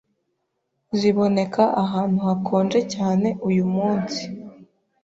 ziboneka ahantu hakonje cyane uyumunsi